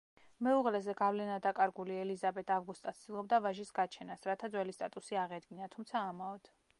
მეუღლეზე გავლენადაკარგული ელიზაბეთ ავგუსტა ცდილობდა ვაჟის გაჩენას, რათა ძველი სტატუსი აღედგინა, თუმცა ამაოდ.